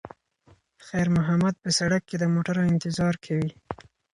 خیر محمد په سړک کې د موټرو انتظار کوي.